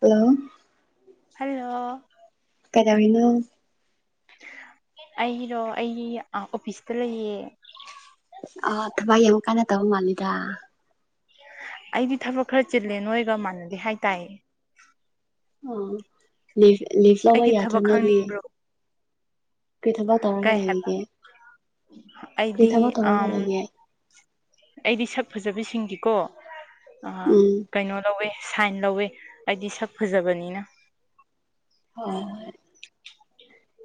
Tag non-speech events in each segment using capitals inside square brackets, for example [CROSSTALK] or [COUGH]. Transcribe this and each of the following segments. hello hello ꯀꯩꯗꯧꯔꯤꯅꯣ ꯑꯩꯔꯣ ꯑꯩ ꯑꯣꯐꯤꯁꯇ ꯂꯩꯌꯦ ꯑꯥ ꯊꯕꯛ ꯌꯥꯝ ꯀꯟꯅ ꯇꯧ ꯃꯥꯟꯂꯤꯗ ꯑꯩꯗꯤ ꯊꯕꯛ ꯈꯔ ꯆꯤꯜꯂꯦ ꯅꯣꯏꯒ ꯃꯥꯟꯅꯗꯦ ꯍꯥꯏ ꯇꯥꯏꯌꯦ ꯑꯣ ꯂꯤꯐ ꯂꯤꯐ ꯂꯧꯕ ꯑꯩꯒꯤ ꯌꯥꯗ꯭ꯔꯣ ꯊꯕꯛ ꯅꯣꯏꯒꯤ ꯈꯪꯅꯤꯡꯕ꯭ꯔꯣ ꯀꯩ ꯍꯥꯏꯕ ꯀꯔꯤ ꯑꯩꯗꯤ ꯊꯕꯛ ꯇꯧꯔꯒ ꯑꯝ ꯂꯩꯒꯦ ꯑꯩꯗꯤ ꯁꯛ ꯐꯖꯕꯤꯁꯤꯡꯒꯤꯀꯣ ꯑꯥ ꯎꯝ ꯀꯩꯅꯣ ꯂꯧꯋꯦ ꯁꯥꯏꯟ ꯂꯧꯋꯦ ꯍꯥꯏꯗꯤ ꯁꯛ ꯐꯖꯕꯅꯤꯅ ꯍꯣꯏ ꯍꯣꯏ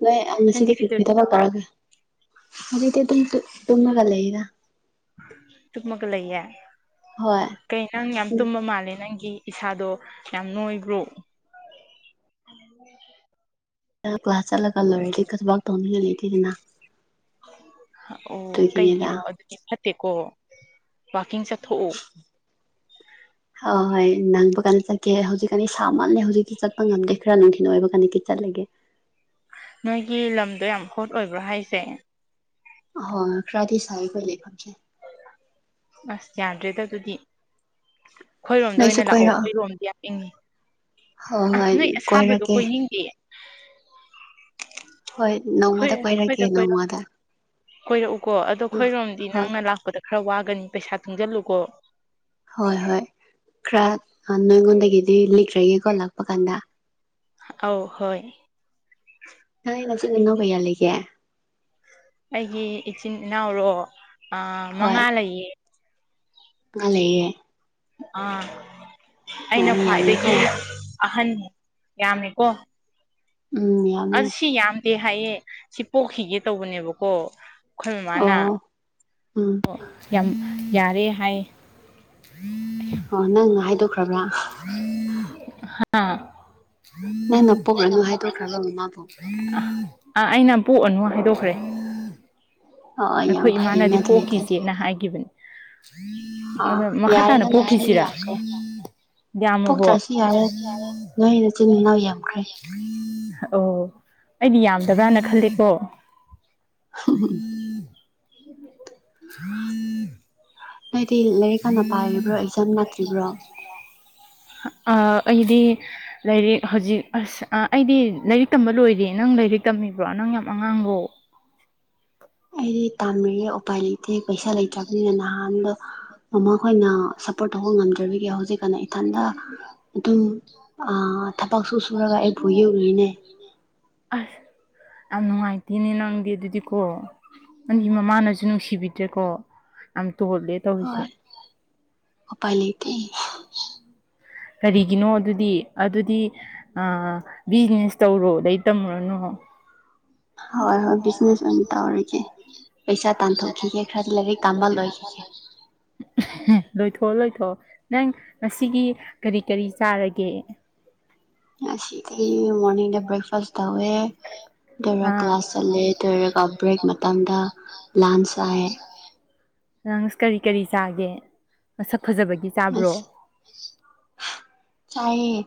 ꯅꯣꯏ ꯑꯅꯤ ꯅꯪꯗꯤ ꯉꯁꯤꯗꯤ ꯀ꯭ꯔꯤ ꯀ꯭ꯔꯤ ꯀꯩꯗꯧꯔꯤꯅꯣ ꯊꯕꯛ ꯇꯧꯔꯒꯦ ꯇꯨꯝꯃꯒ ꯂꯩꯗ ꯇꯨꯝꯃꯒ ꯂꯩꯌꯦ ꯍꯣꯏ ꯀꯩ ꯅꯪ ꯌꯥꯝ ꯇꯨꯝꯕ ꯃꯥꯜꯂꯦ ꯅꯪꯒꯤ ꯏꯁꯥꯗꯣ ꯌꯥꯝ ꯅꯣꯏꯕ꯭ꯔꯣ ꯑꯗꯣ ꯀ꯭ꯂꯥꯁ ꯆꯠꯂꯒ ꯂꯣꯏꯔꯦ ꯀꯩꯁꯨ ꯋꯥꯔꯛ ꯇꯧꯅꯤꯡꯉꯥꯏ ꯂꯩꯇꯦꯗꯅ ꯑꯣ ꯑꯗꯨꯒꯤꯅꯤꯗ ꯀꯩꯒꯤꯅꯣ ꯑꯗꯨꯗꯤ ꯐꯠ ꯇꯦꯀꯣ ꯋꯥꯀꯤꯡ ꯆꯠꯊꯣꯛꯑꯣ ꯑꯥ ꯍꯣꯏ ꯅꯪꯕ ꯀꯥꯟꯗ ꯆꯠꯀꯦ ꯍꯧꯖꯤꯛꯀꯥꯟꯗꯤ ꯁꯥꯃꯜꯂꯦ ꯍꯧꯖꯤꯛꯇꯤ ꯆꯠꯄ ꯉꯝꯗꯦ ꯈꯔ ꯅꯨꯡꯊꯤꯜ ꯑꯣꯏꯕ ꯀꯥꯟꯅ ꯆꯠꯂꯒꯦ [INAUDIBLE] ꯅꯣꯏꯒꯤ ꯂꯝꯗꯣ ꯌꯥꯝ ꯍꯣꯠ ꯑꯣꯏꯕ꯭ꯔꯣ ꯍꯥꯏꯁꯦ ꯍꯣꯏ ꯈꯔꯗꯤ ꯁꯥꯏ ꯑꯩꯈꯣꯏ ꯂꯩꯐꯝꯁꯦ ꯑꯁ ꯌꯥꯗ꯭ꯔꯦꯗ ꯑꯗꯨꯗꯤ ꯑꯩꯈꯣꯏꯔꯣꯝꯗ ꯅꯣꯏꯁꯨ ꯑꯣꯏꯅ ꯂꯥꯛꯑꯣ ꯀꯣꯏꯔꯛꯑꯣ ꯑꯩꯈꯣꯏꯔꯣꯝꯗꯤ ꯌꯥꯝ ꯏꯡꯉꯤ ꯍꯣꯏ ꯑꯥ ꯍꯣꯏ ꯅꯣꯏ ꯑꯁꯥꯕꯗꯣ ꯀꯣꯏꯔꯛꯀꯦ ꯀꯣꯏꯅꯤꯡꯗꯦꯌꯦ ꯍꯣꯏ ꯑꯩꯈꯣꯏ ꯅꯣꯡꯃꯗ ꯀꯣꯏꯔꯛꯀꯦ ꯑꯩꯈꯣꯏꯗ ꯀꯣꯏꯔꯛ ꯅꯣꯡꯃꯗ ꯀꯣꯏꯔꯛꯎꯀꯣ ꯑꯗꯣ ꯑꯥ ꯑꯩꯈꯣꯏꯔꯣꯝꯗꯤ ꯍꯣꯏ ꯅꯪꯅ ꯂꯥꯛꯄꯗ ꯈꯔ ꯋꯥꯒꯅꯤ ꯄꯩꯁꯥ ꯇꯨꯡꯖꯤꯜꯂꯨꯀꯣ ꯍꯣꯏ ꯍꯣꯏ ꯈꯔ ꯅꯪꯉꯣꯟꯗꯒꯤꯗꯤ ꯂꯤꯈ꯭ꯔꯒꯦꯀꯣ ꯂꯥꯛꯄ ꯀꯥꯟꯗ ꯑꯧ ꯍꯣꯏ ꯅꯣꯏ ꯅꯆꯤꯟ ꯅꯅꯥꯎ ꯀꯩꯌꯥ ꯂꯩꯒꯦ ꯑꯩꯒꯤ ꯏꯆꯤꯟ ꯏꯅꯥꯎꯔꯣ ꯑꯥ ꯍꯣꯏ ꯃꯉꯥ ꯂꯩꯌꯦ ꯃꯉꯥ ꯂꯩꯌꯦ ꯑꯥ ꯑꯣ ꯑꯩꯅ ꯈ꯭ꯋꯥꯏꯗꯒꯤ ꯌꯥꯝꯃꯦꯀꯣ ꯑꯍꯟ ꯌꯥꯝꯃꯦꯀꯣ ꯎꯝ ꯌꯥꯝꯃꯦ ꯗꯦ ꯍꯥꯏꯌꯦ ꯁꯤ ꯄꯣꯛꯈꯤꯒꯦ ꯇꯧꯕꯅꯦꯕꯀꯣ ꯑꯩꯈꯣꯏ ꯃꯥꯥꯃꯅ ꯑꯣ ꯎꯝ ꯑꯣ ꯌꯥꯝ ꯌꯥꯔꯦ ꯍꯥꯏ ꯑꯣ ꯅꯪꯅ ꯍꯥꯏꯗꯣꯛꯈ꯭ꯔꯕ꯭ꯔꯥ ꯍꯥ ꯅꯪꯅ ꯄꯣꯛꯔꯅꯨ ꯍꯥꯏꯗꯣꯛꯈ꯭ꯔꯕ ꯃꯃꯥꯕꯨ [UNINTELLIGIBLE] ꯑꯥ ꯑꯩꯅ ꯄꯣꯛꯑꯅꯨ ꯍꯥꯏꯗꯣꯛꯈ꯭ꯔꯦ ꯑ ꯌꯥꯝ ꯑꯩꯈꯣꯏ ꯐꯩꯅ ꯏꯃꯥꯅꯗꯤ ꯑꯗꯨꯏꯗꯤ ꯄꯣꯛꯈꯤꯁꯤꯅ ꯍꯥꯏꯒꯤꯕꯅꯤ ꯑꯥ ꯑꯗꯣ ꯃꯈꯥ ꯇꯥꯅ ꯌꯥꯔꯦꯗ ꯅꯣꯏꯁꯨ ꯃꯤ ꯄꯣꯛꯈꯤꯁꯤꯔꯥ ꯌꯥꯝꯈ꯭ꯔꯦ ꯌꯥꯝꯃꯕꯣ ꯄꯣꯛꯇ꯭ꯔꯁꯨ ꯌꯥꯔꯦ ꯅꯣꯏ ꯅꯆꯤꯟ ꯅꯅꯥꯎ ꯌꯥꯝꯈ꯭ꯔꯦ ꯑꯣ ꯑꯩꯗꯤ ꯌꯥꯝꯗꯕ꯭ꯔꯅ ꯈꯜꯂꯤꯀꯣ [INAUDIBLE] ꯅꯣꯏꯗꯤ ꯂꯥꯏꯔꯤꯛ ꯍꯥꯟꯅ ꯄꯥꯔꯤꯕ꯭ꯔꯣ ꯑꯦꯛꯖꯥꯝ ꯅꯛꯇ꯭ꯔꯤꯕ꯭ꯔꯣ ꯑꯥ ꯑꯩꯗꯤ ꯂꯥꯏꯔꯤꯛ ꯍꯧꯖꯤꯛ ꯑꯁ ꯑꯩꯗꯤ ꯂꯥꯏꯔꯤꯛ ꯇꯝꯕ ꯂꯣꯏꯔꯦ ꯅꯪ ꯂꯥꯏꯔꯤꯛ ꯇꯝꯃꯤꯕ꯭ꯔꯣ ꯅꯪ ꯌꯥꯝ ꯑꯉꯥꯡꯂꯣ ꯑꯩꯗꯤ ꯇꯥꯃꯤꯌꯦ ꯎꯄꯥꯏ ꯂꯩꯇꯦ ꯄꯩꯁꯥ ꯂꯩꯇ꯭ꯔꯕꯅꯤꯅ ꯅꯍꯥꯟꯗꯣ ꯑꯃꯈꯣꯏꯅ ꯁꯞꯄꯣꯔꯠ ꯇꯧꯕ ꯉꯝꯗ꯭ꯔꯕꯒꯤ ꯍꯧꯖꯤꯛꯀꯥꯟꯗ ꯏꯊꯟꯗ ꯑꯗꯨꯝ ꯑꯥ ꯄꯛꯁꯨ ꯁꯨꯔꯒ ꯑꯩ ꯐꯨꯏꯑꯦ ꯎꯔꯤꯅꯦ ꯑꯁ ꯌꯥꯝ ꯅꯨꯡꯉꯥꯏꯇꯦꯅꯦ ꯅꯪꯗꯤ ꯑꯗꯨꯗꯤꯀꯣ ꯅꯪꯒꯤ ꯃꯃꯥꯅꯁꯨ ꯅꯨꯡꯁꯤꯕꯤꯗ꯭ꯔꯦꯀꯣ ꯌꯥꯝ ꯇꯣꯜꯂꯦ ꯇꯧꯔꯤꯁꯦ ꯎꯄꯥꯥꯏ ꯂꯩꯇꯦ [INAUDIBLE] ꯀꯔꯤꯒꯤꯅꯣ ꯑꯗꯨꯗꯤ ꯑꯗꯨꯗꯤ ꯑꯥ ꯕꯤꯖꯤꯅꯦꯁ ꯇꯧꯔꯣ ꯂꯥꯏꯔꯤꯛ ꯇꯝꯃꯨꯔꯅꯨ ꯍꯣꯏ ꯍꯣꯏ ꯕꯤꯖꯤꯅꯦꯁ ꯑꯣꯏꯅ ꯇꯧꯔꯒꯦ ꯄꯩꯁꯥ ꯇꯥꯟꯊꯣꯛꯈꯤꯒꯦ ꯈꯔꯗꯤ ꯂꯥꯏꯔꯤꯛ ꯇꯥꯃꯕ ꯂꯣꯏꯈꯤꯒꯦ ꯂꯣꯏ ꯊ ꯊꯣꯛꯑꯣ ꯂꯣꯏꯊꯣꯛꯑꯣ ꯅꯪ ꯉꯁꯤꯒꯤ ꯀꯔꯤ ꯀꯔꯤ ꯆꯥꯔꯒꯦ ꯉꯁꯤꯗꯤ [INAUDIBLE] ꯑꯗꯨꯂꯣꯏꯔꯒ ꯇꯧꯔ ꯀ꯭ꯂꯥꯁ ꯆꯠꯂꯦ ꯑꯗꯨꯂꯣꯏꯔꯒ ꯕ꯭ꯔꯦꯛ ꯃꯇꯝꯗ ꯂꯥꯟꯁ ꯆꯥꯌꯦ ꯅꯪ ꯀꯔꯤ ꯀꯔꯤ ꯆꯥꯒꯦ ꯃꯁꯛ ꯐꯖꯕꯒꯤ ꯆꯥꯕ꯭ꯔꯣ ꯑꯁ ꯆꯥꯏꯌꯦ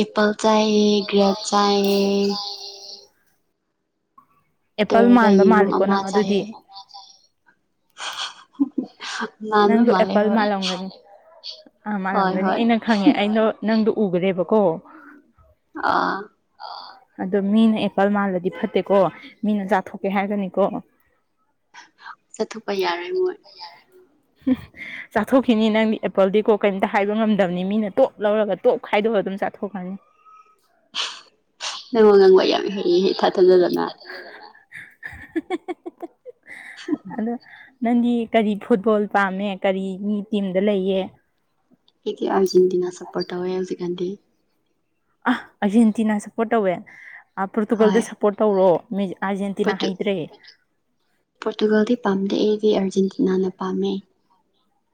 ꯑꯦꯄꯜ ꯆꯥꯏꯌꯦ ꯒ꯭ꯔꯦꯞ ꯆꯥꯏꯌꯦ ꯑꯦꯄꯜ ꯇꯧꯔꯒ ꯃꯥꯟꯕ ꯌꯦꯔꯨꯝ ꯃꯥꯜꯂꯦꯀꯣ ꯑꯃ ꯅꯪ ꯑꯗꯨꯗꯤ ꯆꯥꯏꯌꯦ ꯉꯥꯟꯕ ꯅꯪꯗꯣ ꯃꯥꯜꯂꯦ ꯑꯦꯄꯜ ꯍꯣꯏ ꯃꯥꯜꯂꯝꯒꯅꯤ ꯑꯥ ꯍꯣꯏ ꯃꯥꯜꯂꯝꯒꯅꯤ ꯍꯣꯏ ꯑꯩꯅ ꯈꯪꯉꯦ ꯑꯩꯅꯣ ꯅꯪꯗꯨ ꯎꯒꯔꯦꯕꯀꯣ ꯑꯥ ꯑꯗꯣ ꯃꯤꯅ ꯑꯦꯄꯜ ꯃꯥꯜꯂꯗꯤ ꯐꯠꯇꯦꯀꯣ ꯃꯤꯅ ꯆꯥꯊꯣꯛꯀꯦ ꯍꯥꯏꯔꯒꯅꯤꯀꯣ ꯆꯥꯊꯣꯛꯄ ꯌꯥꯔꯦꯏ ꯃꯣꯏ ꯎ ꯆꯥꯊꯣꯛꯈꯤꯅꯤ ꯅꯪꯗꯤ ꯑꯦꯄꯜꯗꯤꯀꯣ ꯀꯩꯇ ꯍꯥꯏꯕ ꯉꯝꯗꯕꯅꯤ ꯃꯤꯅ ꯇꯣꯞ ꯂꯧꯔꯒ ꯇꯣꯞ ꯈꯥꯏꯗꯣꯛꯑꯗ ꯆꯥꯊꯣꯛꯀꯅꯤ ꯅꯪ ꯋꯥ ꯉꯥꯡꯕ ꯌꯥꯝ ꯍꯩꯌꯦ ꯏꯊꯥ ꯊꯥꯖꯗꯅ [UNINTELLIGIBLE] ꯑꯗꯣ ꯅꯪꯗꯤ ꯀꯔꯤ ꯐꯨꯠꯕꯣꯜ ꯄꯥꯝꯃꯦ ꯀꯔꯤꯒꯤ ꯇꯤꯝꯗ ꯂꯩꯌꯦ ꯑꯩꯗꯤ ꯑꯔꯖꯦꯟꯇꯤꯅꯥ ꯁꯄꯣꯔꯠ ꯇꯧꯌꯦ ꯍꯧꯖꯤꯛꯀꯥꯟꯗꯤ ꯑꯥ ꯑꯥꯔꯖꯦꯟꯇꯤꯅꯥ ꯁꯞꯄꯣꯔꯠ ꯇꯧꯋꯦ ꯄꯣꯔꯇꯨꯒꯜꯗ ꯍꯣꯏ ꯁꯞꯄꯣꯔꯠ ꯇꯧꯔꯣ ꯑꯔꯖꯦꯟꯇꯤꯅꯥ ꯄꯣꯔꯇꯨ ꯍꯩꯇ꯭ꯔꯦ ꯄꯣꯔꯇꯨꯒꯜꯗꯤ ꯄꯥꯝꯗꯦ ꯑꯩꯗꯤ ꯑꯥꯔꯖꯦꯟꯇꯤꯅꯥꯅ ꯄꯥꯝꯃꯦ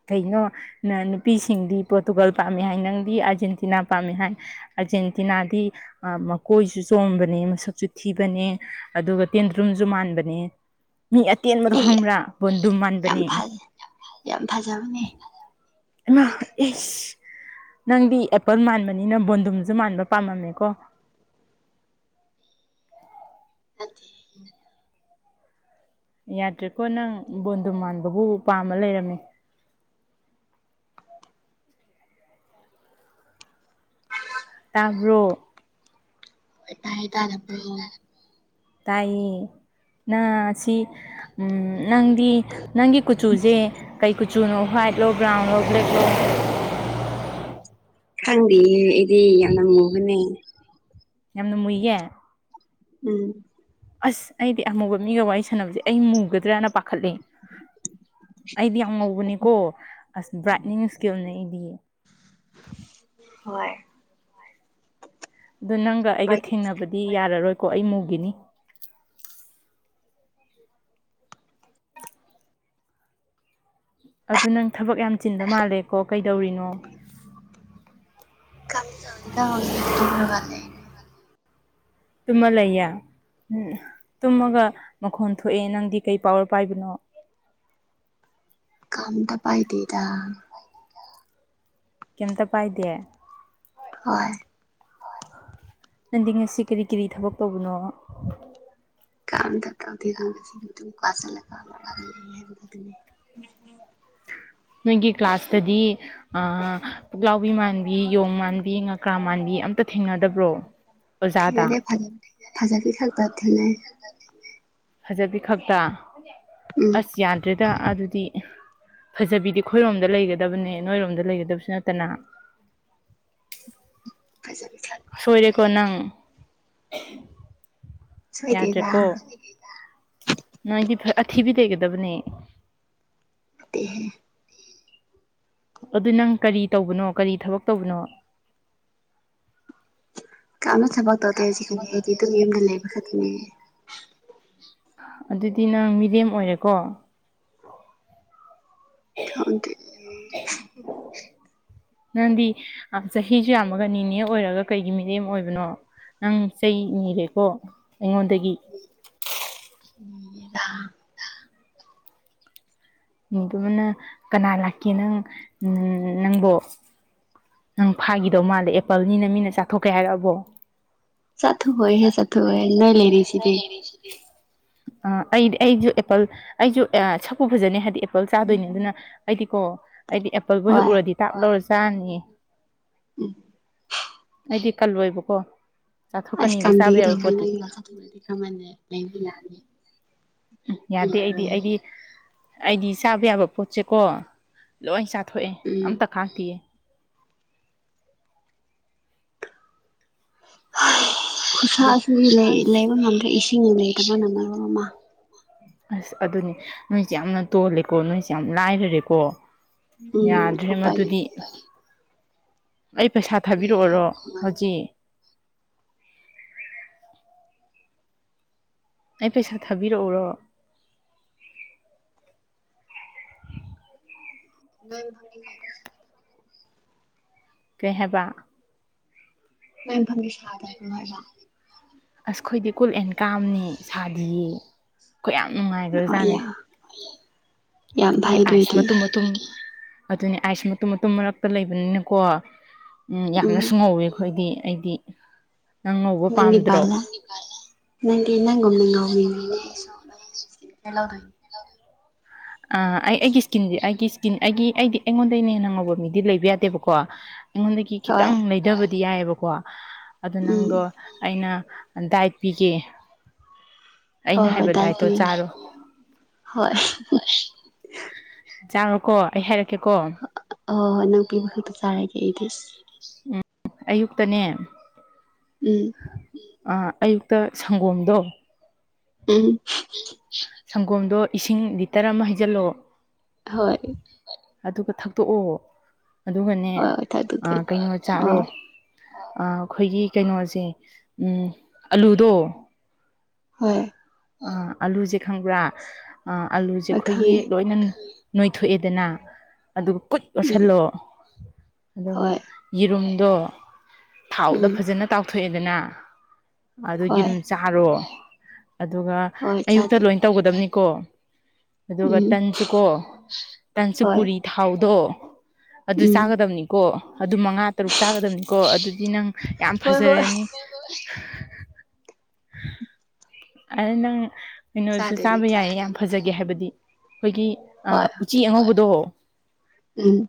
ꯀꯩꯅꯣ ꯅ ꯅꯨꯄꯤꯁꯤꯡꯗꯤ ꯄꯣꯔꯇꯨꯒꯥꯜ ꯄꯥꯝꯃꯦ ꯍꯥꯏ ꯅꯪꯗꯤ ꯑꯥꯔꯖꯦꯟꯇꯤꯅꯥ ꯄꯥꯝꯃꯦ ꯍꯥꯏ ꯑꯥꯔꯖꯦꯟꯇꯤꯅꯥꯗꯤ ꯃꯀꯣꯏꯁꯨ ꯆꯣꯝꯕꯅꯦ ꯃꯁꯛꯁꯨ ꯊꯤꯕꯅꯦ ꯑꯗꯨꯒ ꯇꯦꯟꯗ꯭ꯔꯨꯝꯁꯨ ꯨ ꯃꯥꯟꯕꯅꯦ ꯃꯤ ꯑꯇꯦꯟꯕꯗꯣ ꯑꯦ ꯈꯪꯕ꯭ꯔꯥ ꯕꯣꯟꯗꯨꯝ ꯌꯥꯝ ꯃꯥꯟꯕꯅꯦ ꯐꯖ ꯌꯥꯝ ꯐꯖꯕꯅꯦ ꯑꯩꯃꯥ ꯅꯪ ꯑꯩꯁ ꯈꯪꯗꯕꯒꯤꯅꯦ ꯅꯪꯗꯤ ꯑꯦꯄꯜ ꯃꯥꯟꯕꯅꯤꯅ ꯕꯣꯟꯗꯨꯝꯁꯨ ꯃꯥꯟꯕ ꯄꯥꯝꯃꯝꯃꯦꯀꯣ [INAUDIBLE] [INAUDIBLE] ꯌꯥꯗ꯭ꯔꯦꯀꯣ ꯅꯪ ꯕꯣꯟꯗꯨꯝ ꯃꯥꯟꯕꯕꯨ ꯄꯥꯝꯃ ꯂꯩꯔꯝꯃꯤ ꯇꯥꯕ꯭ꯔꯣ ꯇꯥꯌꯦ ꯇꯥꯗꯕ꯭ꯔꯣ ꯇꯥꯏꯌꯦ ꯅꯪ ꯁꯤ ꯎꯝ ꯅꯪꯗꯤ ꯅꯪꯒꯤ ꯀꯨꯆꯨꯁꯦ ꯀꯩ ꯀꯨꯆꯨꯅꯣ ꯍ꯭ꯋꯥꯏꯠꯂꯣ ꯕ꯭ꯔꯥꯎꯟꯂꯣ ꯕ꯭ꯂꯦꯛꯂꯣ ꯈꯪꯗꯤꯌꯦ ꯑꯩꯗꯤ ꯌꯥꯝꯅ ꯃꯨꯕꯅꯦ ꯌꯥꯝꯅ ꯃꯨꯏꯌꯦ ꯎꯝ ꯑꯁ ꯑꯩꯗꯤ ꯑꯃꯨꯕ ꯃꯤꯒ ꯋꯥꯔꯤ ꯁꯥꯟꯅꯕꯁꯦ ꯑꯩ ꯃꯨꯒꯗ꯭ꯔꯅ ꯄꯥꯈꯠꯂꯛꯦ ꯑꯩꯗꯤ ꯉꯧꯕꯅꯦꯀꯣ ꯑꯁ ꯕ꯭ꯔꯥꯏꯠꯅꯤꯡ ꯏꯁꯀꯤꯜꯅꯦ ꯑꯩꯗꯤ ꯍꯣꯏ ꯑꯗꯨ ꯅꯪꯒ ꯑꯩꯒ ꯊꯦꯡꯅꯕꯗꯤ ꯌꯥꯔꯔꯣꯏꯀꯣ ꯑꯩ ꯃꯨꯒꯤꯅꯤ ꯑꯗꯨ ꯅꯪ ꯊꯕꯛ ꯌꯥꯝ ꯆꯤꯟꯕ ꯃꯥꯜꯂꯦꯀꯣ ꯀꯩꯗꯧꯔꯤꯅꯣ [UNINTELLIGIBLE] ꯇꯨꯝꯃ ꯂꯩꯌꯦ ꯎꯝ ꯇꯨꯝꯃꯒ ꯃꯈꯣꯟ ꯊꯣꯛꯑꯦ ꯅꯪꯗꯤ ꯀꯩ ꯄꯋꯥꯔ ꯄꯥꯏꯕꯅꯣ [INAUDIBLE] ꯀꯝꯇ ꯄꯥꯏꯗꯦꯗ ꯀꯩꯝꯇ ꯄꯥꯏꯗꯦ ꯍꯣꯏ ꯅꯟꯗꯤ ꯉꯁꯤ ꯀꯔꯤ ꯀꯔꯤ ꯊꯕꯛ ꯇꯧꯕꯅꯣ ꯀꯥꯡꯗ ꯊꯀꯥꯎ ꯊꯗ ꯁꯤꯡꯗꯨ [UNINTELLIGIBLE] ꯐꯁꯂ ꯀꯂ ꯍꯥꯏꯔꯒ ꯂꯩ ꯅꯣꯏꯒꯤ ꯀ꯭ꯂꯥꯁꯇꯗꯤ ꯑꯥꯥ ꯄꯨꯛꯂꯥꯎꯕꯤ ꯃꯥꯟꯕꯤ ꯌꯣꯡ ꯃꯥꯟꯕꯤ ꯉꯀ꯭ꯔꯥ ꯃꯥꯟꯕꯤ ꯑꯝꯇ ꯊꯦꯡꯅꯗꯕ꯭ꯔꯣ ꯑꯣꯖꯥꯗ ꯊꯦꯡꯅꯗꯦ ꯐꯖ ꯐꯖꯥꯕꯤ ꯈꯥꯛꯇ ꯊꯦꯡꯅꯩ ꯐꯖꯕꯤ ꯈꯛꯇ ꯎꯝ ꯑꯁ ꯌꯥꯗ꯭ꯔꯦꯗ ꯑꯗꯨꯗꯤ ꯐꯖꯕꯤꯗꯤ ꯑꯩꯈꯣꯏꯔꯣꯝꯗ ꯂꯩꯒꯗꯕꯅꯦ ꯅꯣꯏꯔꯣꯝꯗ ꯂꯩꯒꯗꯕꯁꯨ ꯅꯠꯇꯅ [UNINTELLIGIBLE] ꯈꯛꯇ ꯂꯩ ꯁꯣꯏꯔꯦꯀꯣ ꯅꯪ ꯁꯣꯏꯗꯦꯗ ꯌꯥꯗ꯭ꯔꯦꯀꯣ ꯅꯣꯏꯗꯤ ꯐꯖ ꯊꯤꯕꯤ ꯂꯩꯩꯒꯗꯕꯅꯦ [UNINTELLIGIBLE] ꯑꯗꯨ ꯅꯪ ꯀꯔꯤ ꯇꯧꯕꯅꯣ ꯀꯔꯤ ꯊꯕꯛ ꯇꯧꯕꯅꯣ ꯀꯥꯝꯅ ꯊꯕꯛ ꯇꯧꯗꯦ ꯁꯤꯗꯗꯤ ꯑꯩꯗꯤ ꯑꯗꯨꯝ ꯌꯨꯝꯗ ꯂꯩꯕ ꯈꯛꯇꯅꯦ ꯑꯗꯨꯗꯤ ꯅꯪ ꯃꯤꯔꯦꯝ ꯑꯣꯏꯔꯦꯀꯣ ꯈꯪꯗꯦꯑꯩ ꯅꯪꯗꯤ ꯆꯍꯤꯁꯨ ꯌꯥꯝꯃꯒ ꯅꯤꯅꯦ ꯑꯣꯏꯔꯒ ꯀꯩꯒꯤ ꯃꯤꯔꯦꯝ ꯑꯣꯏꯕꯅꯣ ꯅꯪ ꯆꯩ ꯅꯤꯔꯦꯀꯣ ꯑꯩꯉꯣꯟꯗꯒꯤ ꯅꯤꯗꯦꯗ ꯏꯟꯗꯨꯅ ꯀꯅꯥ ꯂꯥꯛꯀꯦ ꯅꯪ ꯎ ꯅꯪꯕꯣ ꯅꯪ ꯐꯥꯈꯤꯗꯧ ꯃꯥꯜꯂꯦ ꯑꯦꯄꯜꯅꯤꯅ ꯃꯤꯅ ꯆꯥꯊꯣꯛꯀꯦ ꯍꯥꯏꯔꯛꯑꯕꯣ ꯆꯤꯊꯣꯛꯑꯣꯏ ꯍꯦ ꯆꯥꯊꯣꯛꯑꯣꯏ ꯅꯣꯢ ꯂꯩꯔꯤꯁꯤꯗꯤ ꯑ ꯑꯩꯗꯤ ꯑꯩꯁꯨ ꯑꯦꯄꯜ ꯑꯩꯁꯨ ꯁꯛꯄꯨ ꯐꯖꯅꯤ ꯍꯥꯏꯔꯗꯤ ꯑꯦ ꯑꯦꯄꯜ ꯆꯥꯗꯣꯏꯅꯦ ꯑꯗꯨꯅ ꯑꯩꯗꯤꯀꯣ ꯑꯩꯗꯤ ꯑꯦꯄꯦꯜꯕꯨ ꯍꯦꯛ ꯍꯣꯏ ꯎꯔꯗꯤ ꯇꯥꯞ ꯂꯧꯔ ꯆꯥꯔꯅꯤꯌꯦ ꯎꯝ ꯑꯩꯗꯤ ꯀꯜꯂꯣꯏꯕꯀꯣ ꯑꯁ ꯆꯥꯊꯣꯛꯀꯅꯤꯕ ꯆꯥꯕ ꯌꯥꯕ ꯀꯟꯕꯤꯒꯗꯧꯕꯅꯤ ꯄꯣꯠꯇꯤ ꯅꯪꯅ ꯆꯥꯊꯣꯛꯂꯗꯤ ꯀꯔꯝ ꯃꯥꯢꯅ ꯂꯩꯃꯤꯟꯅ ꯌꯥꯅꯤ ꯎꯝ ꯍꯤꯡꯕ ꯌꯥꯗꯦ ꯑꯩꯗꯤ ꯌꯥꯔꯣꯏꯍꯦ ꯑꯩꯗꯤ ꯑꯩꯗꯤ ꯆꯥꯕ ꯌꯥꯕ ꯄꯣꯠꯁꯦꯀꯣ ꯂꯣꯏ ꯆꯥꯊꯣꯛꯑꯦ ꯎꯝ ꯑꯝꯇ ꯈꯥꯛꯇꯤꯌꯦ [UNINTELLIGIBLE] ꯈꯨꯠꯁꯥ ꯑꯗꯨ ꯑꯁꯤꯗꯤ ꯂꯩ ꯂꯩꯕ ꯉꯝꯗ꯭ꯔꯦ ꯏꯁꯤꯡꯅ ꯂꯩꯇꯕꯅ ꯃꯔꯣꯜ ꯑꯃ ꯑꯁ ꯑꯗꯨꯅꯤ ꯅꯣꯏꯁꯦ ꯌꯥꯝꯅ ꯇꯣꯜꯂꯦꯀꯣ ꯅꯣꯏꯁꯦ ꯌꯥꯝ ꯂꯥꯏꯔꯔꯦꯀꯣ ꯎꯝ ꯌꯥꯗ꯭ꯔꯦ ꯎꯄꯥꯏ ꯃꯗꯨꯗꯤ ꯂꯩꯇꯦ ꯑꯩ ꯄꯩꯁꯥ ꯂꯩ ꯊꯥꯕꯤꯔꯛꯑꯣꯔꯣ ꯍꯥꯏꯕꯒꯤ ꯋꯥꯅꯤ ꯍꯧꯖꯤꯛ ꯑꯩ ꯄꯩꯁꯥ ꯊꯥꯕꯤꯔꯛꯎꯔꯣ [UNINTELLIGIBLE] ꯅꯣꯢ [UNINTELLIGIBLE] ꯀꯩꯍꯥꯢꯕ ꯅꯣꯢ ꯃꯐꯝꯗꯤ ꯁꯗꯕ꯭ꯔꯣ ꯍꯥꯢꯕ ꯑꯁꯈꯣꯏꯗꯤ ꯀꯨꯜ ꯑꯦꯟ ꯀꯥꯝꯅꯤ ꯁꯥꯗꯤꯌꯦ ꯑꯩꯈꯣꯏ ꯌꯥꯝ ꯅꯨꯡꯉꯥꯏꯈ꯭ꯔ ꯍꯣꯏ ꯖꯥꯠꯅꯦ ꯌꯥ ꯌꯥꯝ ꯑꯩꯈꯣꯏꯗꯤ ꯐꯩ ꯑꯥꯏꯁ ꯑꯗꯨꯏꯗꯤ ꯃꯇꯨꯝ ꯃꯇꯨꯝ ꯑꯗꯨꯅꯦ ꯑꯥꯏꯁ ꯃꯇꯨꯝ ꯃꯇꯨꯝ ꯃꯔꯛꯇ ꯂꯩꯕꯅꯤꯅꯀꯣ ꯎꯝ ꯌꯥꯝꯅꯁꯨ ꯉꯧꯋꯤ ꯑꯩꯈꯣꯏꯗꯤ ꯑꯩꯗꯤ ꯅꯪ ꯉꯧꯕ ꯄꯥꯝꯗ꯭ꯔꯣ ꯀꯔꯤ ꯅꯪ ꯒꯨꯝꯅ ꯉꯧꯅꯤꯡꯉꯦꯅꯦ ꯑꯩꯁꯨ ꯢꯁꯀꯤꯟ ꯀꯤꯌꯔ ꯂꯧꯗꯣꯢꯅꯦ ꯑ ꯑꯩ ꯑꯩꯒꯤ ꯏꯁꯀꯤꯟꯗꯤ ꯑꯩꯒꯤ ꯏꯁꯀꯤꯟ ꯑꯩꯒꯤ ꯑꯩꯗꯤ ꯑꯩꯉꯣꯟꯗꯩꯅ ꯍꯦꯟꯅ ꯉꯧꯕ ꯃꯤꯗꯤ ꯂꯩꯕ ꯌꯥꯗꯦꯕꯀꯣ ꯑꯩꯉꯣꯟꯗꯒꯤ ꯍꯣꯏ ꯈꯤꯇꯪ ꯂꯩꯊꯕꯗꯤ ꯌꯥꯏꯑꯕꯀꯣ ꯑꯗꯨ ꯎꯝ ꯅꯪꯗꯣ ꯑꯩꯅ ꯗꯥꯢꯇ ꯄꯤꯒꯦ ꯑꯩꯅ ꯍꯣꯏ ꯍꯣꯏ ꯍꯥꯏꯕ ꯗꯥꯏ ꯗꯥꯏꯇꯣ ꯄꯤꯌꯣ ꯆꯥꯔꯣ ꯍꯣꯏ ꯆꯥꯔꯣꯀꯣ ꯑꯩ ꯍꯥꯏꯔꯛꯀꯦꯀꯣ [UNINTELLIGIBLE] ꯑꯝ ꯑꯌꯨꯛꯇꯅꯦ ꯎꯝ ꯑꯥ ꯑꯌꯨꯛꯇ ꯁꯪꯒꯣꯝꯗꯣ ꯎꯝ ꯁꯪꯒꯣꯝꯗꯣ ꯏꯁꯤꯡ ꯂꯤꯇꯔ ꯑꯃ ꯍꯩꯖꯤꯜꯂꯣ ꯍꯣꯏ ꯑꯗꯨꯒ ꯊꯛꯇꯣꯛꯑꯣ ꯑꯗꯨꯒꯅꯦ ꯍꯣꯏ ꯍꯣꯏ ꯊꯥꯗꯣꯛꯇꯣꯏꯅꯤ ꯀꯩꯅꯣ ꯆꯥꯔꯣ ꯑꯣ ꯑꯩꯈꯣꯏꯒꯤ ꯀꯩꯅꯣꯁꯦ ꯑꯝ ꯑꯂꯨꯗꯣ ꯍꯣꯢ ꯑꯥ ꯑꯂꯨꯁꯦ ꯈꯪꯕ꯭ꯔꯥ ꯑꯂꯨꯁꯦ ꯍꯣꯏ ꯑꯩꯈꯣꯏꯒꯤ ꯈꯪꯉꯦ ꯂꯣꯏꯅ ꯅꯣꯏꯊꯣꯛꯑꯦꯗꯅ ꯑꯗꯨꯒ ꯀꯨꯠ ꯎꯝ ꯌꯣꯁꯜꯂꯣ ꯑꯗꯨꯒ ꯍꯣꯏ ꯌꯦꯔꯨꯝ ꯑꯗꯣ ꯊꯥꯎꯗ ꯎꯝ ꯐꯖꯅ ꯇꯥꯎꯊꯣꯛꯑꯦꯗꯅ ꯑꯗꯨ ꯍꯣꯏ ꯌꯩꯔꯨꯝ ꯆꯥꯔꯣ ꯑꯗꯨꯒ ꯍꯣꯏ ꯑꯌꯨꯛꯇ ꯂꯣꯏ ꯆꯥꯗꯣꯏꯅꯤ ꯇꯧꯒꯗꯕꯅꯤꯀꯣ ꯑꯗꯨꯒ ꯎꯝ ꯇꯟꯁꯨꯨꯀꯣ ꯍꯣꯏ ꯇꯥꯟꯆꯨꯄꯨꯔꯤ ꯊꯥꯎꯗꯣ ꯑꯗꯨ ꯎꯝ ꯆꯥꯒꯗꯕꯅꯤꯀꯣ ꯑꯗꯨ ꯃꯉꯥ ꯇꯔꯨꯛ ꯆꯥꯒꯗꯕꯅꯤꯀꯣ ꯑꯗꯨꯗꯤ ꯅꯪ ꯌꯥꯝ ꯍꯣꯏ ꯍꯣꯏ ꯐꯖꯔꯅꯤ ꯑ ꯅꯪ ꯀꯩꯅꯣꯁꯨ ꯆꯥꯗꯣꯏꯅꯦ ꯆꯥꯕ ꯌꯥꯏꯌꯦ ꯌꯥꯝ ꯆꯥꯗꯣꯏꯅꯦ ꯐꯖꯒꯦ ꯍꯥꯏꯕꯗꯤ ꯑꯩꯈꯣꯏꯒꯤ ꯑꯥ ꯍꯣꯏ ꯎꯆꯤ ꯑꯉꯧꯕꯗꯣ ꯎꯝ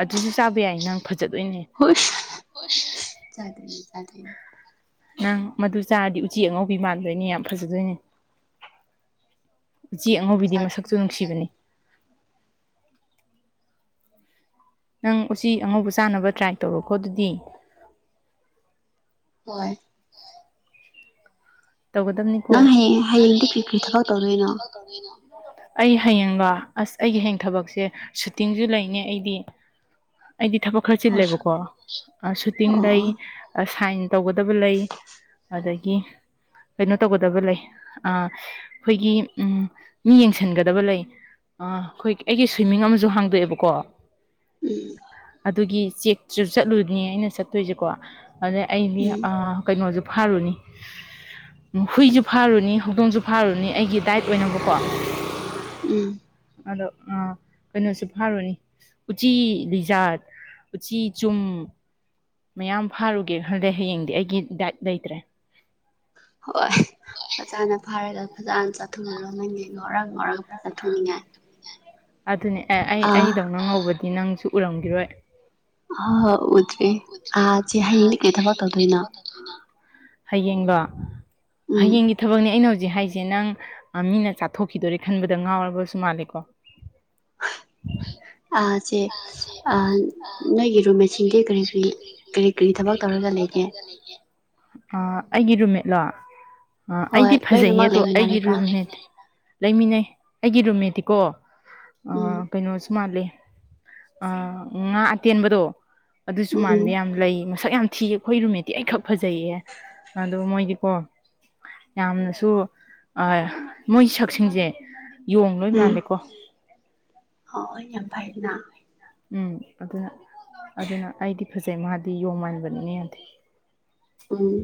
ꯑꯗꯨꯁꯨ ꯆꯥꯕ ꯌꯥꯏ ꯅꯪ ꯐꯖꯗꯣꯏꯅꯦ ꯍꯣꯏ [INAUDIBLE] ꯅꯪ ꯃꯗꯨ ꯆꯥꯔꯗꯤ ꯎꯆꯤ ꯑꯉꯧꯕꯤ ꯃꯥꯟꯗꯣꯏꯅꯦ ꯌꯥꯝ ꯐꯖꯗꯣꯏꯅꯦ ꯎꯆꯤ ꯑꯉꯧꯕꯤꯗꯤ ꯃꯁꯛꯁꯨ ꯆꯥꯗꯣꯏꯅꯦ ꯅꯨꯡꯁꯤꯕꯅꯤ ꯅꯪ ꯎꯆꯤ ꯑꯉꯧꯕ ꯆꯥꯅꯕ ꯇ꯭ꯔꯥꯏ ꯇꯧꯔꯣꯀꯣ ꯑꯗꯨꯗꯤ ꯍꯣꯏ ꯇꯧꯒꯗꯕꯅꯤꯀꯣ ꯅꯪ ꯍꯌꯦꯡ ꯍꯌꯦꯡꯗꯤ ꯀ꯭ꯔꯤ ꯀ꯭ꯔꯤ ꯊꯕꯛ ꯇꯧꯗꯣꯏꯅꯣ ꯑꯩ ꯍꯥꯌꯦꯡꯂꯣ ꯑꯁ ꯑꯩꯒꯤ ꯍꯌꯦꯡ ꯊꯕꯛꯁꯦ ꯁꯨꯇꯤꯡꯁꯨ ꯂꯩꯅꯩ ꯑꯩꯗꯤ ꯑꯩꯗꯤ ꯊꯕꯛ ꯈꯔ ꯑꯁ ꯆꯤꯜꯂꯦꯕꯀꯣ ꯑꯥ ꯁꯨꯇꯤꯡ ꯑꯣ ꯂꯩ ꯑꯣ ꯑꯁ ꯁꯥꯏꯟ ꯇꯧꯒꯗꯕ ꯂꯩ ꯑꯗꯒꯤ ꯀꯩꯅꯣ ꯇꯧꯒꯗꯕ ꯂꯩ ꯑꯥ ꯑꯩꯈꯣꯏꯒꯤ ꯎ ꯃꯤ ꯌꯦꯡꯁꯤꯟꯒꯗꯕ ꯂꯩ ꯑꯥ ꯑꯩꯈꯣꯏ ꯑꯩꯒꯤ ꯁ꯭ꯋꯤꯃꯤꯡ ꯑꯃꯁꯨ ꯍꯥꯡꯗꯣꯛꯑꯦꯕꯀꯣ ꯎꯝ ꯑꯗꯨꯒꯤ ꯆꯦꯛꯁꯨ ꯆꯠꯂꯨꯅꯤ ꯑꯩꯅ ꯆꯠꯇꯣꯏꯁꯦꯀꯣ ꯑꯗ ꯑꯩꯗꯤ ꯎꯝ ꯑꯥ ꯀꯩꯅꯣꯁꯨ ꯐꯥꯔꯨꯅꯤ ꯍꯨꯏꯁꯨ ꯐꯥꯔꯨꯅꯤ ꯍꯧꯗꯣꯡꯁꯨ ꯐꯥꯔꯨꯅꯤ ꯑꯩꯒꯤ ꯗꯥꯏꯠ ꯑꯣꯏꯅꯕꯀꯣ ꯎꯝ ꯑꯗꯣ ꯀꯩꯅꯣꯁꯨ ꯐꯥꯔꯨꯅꯤ ꯎꯆꯤ ꯂꯤꯖꯥꯔꯗ ꯎꯆꯤ ꯆꯨꯝ ꯃꯌꯥꯝ ꯐꯥꯔꯨꯒꯦ ꯈꯟꯗꯦ ꯍꯌꯦꯡꯗꯤ ꯑꯩꯒꯤ ꯗꯥꯏꯠ ꯂꯩꯇ꯭ꯔꯦ ꯍꯣꯏ ꯐꯖꯥꯅ ꯐꯥꯔꯒ ꯐꯖꯅ ꯆꯠꯊꯨꯔꯨꯔꯣ ꯅꯪꯒꯤ ꯉꯣꯔꯡ ꯉꯣꯔꯡ ꯉꯧꯊꯣꯛꯅꯤꯡꯉꯥꯏ ꯑꯗꯨꯅꯦ ꯑꯦ ꯑꯩ ꯑꯩꯗꯧꯅ ꯉꯧꯕꯗꯤ ꯅꯪꯁꯨ ꯎꯔꯝꯒꯤꯔꯣꯏ ꯍꯣ ꯍꯣ ꯎꯗ꯭ꯔꯤ ꯑꯥ ꯆꯦ ꯍꯥꯌꯦꯡꯗꯤ ꯀꯩ ꯊꯥꯕꯛ ꯇꯧꯗꯣꯏꯅꯣ ꯍꯌꯦꯡꯂꯣ ꯎꯝ ꯍꯌꯦꯡꯒꯤ ꯊꯕꯛꯅꯦ ꯑꯩꯅ ꯍꯧꯖꯤꯛ ꯍꯧꯖꯤꯛ ꯍꯥꯏꯁꯦ ꯅꯪ ꯃꯤꯅ ꯆꯥꯊꯣꯛꯈꯤꯗꯣꯔꯦ ꯈꯟꯕꯗ ꯉꯥꯎꯔꯕꯁꯨ ꯃꯥꯜꯂꯦꯀꯣ ꯑꯥ ꯆꯦ ꯅꯣꯏꯒꯤ ꯔꯨꯝ ꯃꯦꯠ ꯁꯤꯡꯗꯤ ꯀꯔꯤ ꯀꯔꯤ ꯀꯔꯤ ꯀꯔꯤ ꯊꯕꯛ ꯇꯧꯔꯒ ꯂꯩꯒꯦ ꯑ ꯑꯩꯒꯤ ꯔꯨꯝꯃꯦꯠꯂꯣ ꯑ ꯍꯣꯏ ꯑꯩꯗꯤ ꯐꯖꯩꯌꯦ ꯂꯣꯏꯅꯃꯛ ꯑꯗꯣ ꯑꯩꯒꯤ ꯂꯩꯃꯤꯟꯅꯔꯤꯕ꯭ꯔꯥ ꯔꯨꯝꯃꯦꯠ ꯂꯩꯃꯤꯟꯅꯩ ꯑꯩꯒꯤ ꯔꯨꯝꯃꯦꯠꯇꯤꯀꯣ ꯎꯝ ꯑꯥ ꯀꯩꯅꯣ ꯁꯨ ꯃꯥꯜꯂꯦ ꯑ ꯉꯥ ꯑꯇꯦꯟꯕꯗꯣ ꯑꯗꯨꯁꯨ ꯃꯥꯟꯕ ꯎꯝ ꯌꯥꯝ ꯂꯩ ꯃꯁꯛ ꯌꯥꯝ ꯊꯤ ꯑꯩꯈꯣꯏ ꯔꯨꯃꯤꯠꯇꯤ ꯑꯩ ꯈꯛ ꯐꯖꯩꯌꯦ ꯑꯗꯨꯒ ꯃꯣꯏꯗꯤꯀꯣ ꯌꯥꯝꯅꯁꯨ ꯑꯥ ꯃꯣꯏ ꯁꯛꯁꯤꯡꯁꯦ ꯌꯣꯡ ꯂꯣꯏ ꯃꯥꯜꯂꯦꯀꯣ ꯑꯣ ꯑꯣ ꯌꯥꯝ ꯐꯥꯩꯗꯅ ꯎꯝ ꯑꯗꯨꯅ ꯑꯗꯨꯅ ꯑꯩꯗꯤ ꯐꯖꯩ ꯃꯥꯗꯤ ꯌꯣꯡ ꯃꯥꯟꯕꯅꯤꯅꯦ ꯌꯥꯗꯦ ꯎꯝ